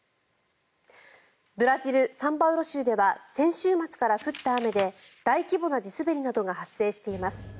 ブラジル・サンパウロ州では先週末から降った雨で大規模な地滑りなどが発生しています。